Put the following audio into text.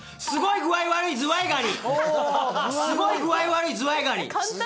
すごい具合が悪いズワイガニ。